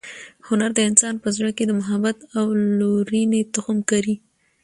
هنر د انسان په زړه کې د محبت او لورینې تخم کري.